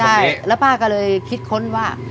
ใช่แล้วป้าก็เลยคิดค้นว่า